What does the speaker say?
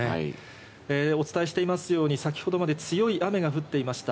お伝えしていますように、先ほどまで強い雨が降っていました。